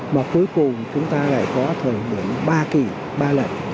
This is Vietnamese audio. mà cuối cùng chúng ta lại có thời nguồn ba kỷ ba lệnh